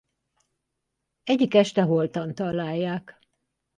Egyik este holtan találják.